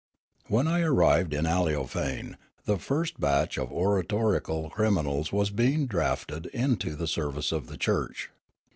When I arrived in Aleofane, the first batch of oratorical criminals was being draughted into the service of the church.